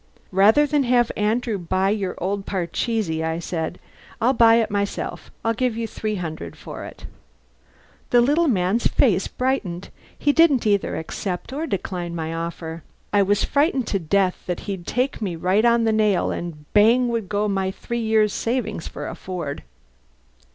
"Rather than have Andrew buy your old parcheesi," I said, "I'll buy it myself. I'll give you $300 for it." The little man's face brightened. He didn't either accept or decline my offer. (I was frightened to death that he'd take me right on the nail and bang would go my three years' savings for a Ford.)